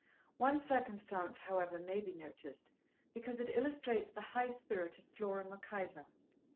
One circumstance, however, may be noticed, because it illustrates the high spirit of Flora Mac Ivor.